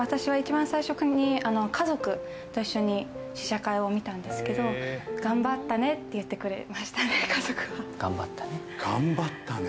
最初に家族と一緒に試写会を見たんですけど、頑張ったねって言ってくれました、頑張ったね。